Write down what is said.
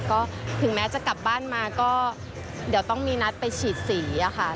ก็ถึงแม้จะกลับบ้านมาก็เดี๋ยวต้องมีนัดไปฉีดสีค่ะ